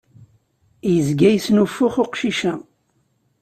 Izga yesnuffux uqcic-a.